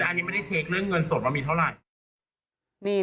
อันนี้ไม่ได้เช็คเรื่องเงินสดว่ามีเท่าไหร่